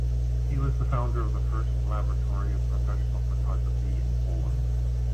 He was the founder of the first Laboratory of Professional Photography in Poland.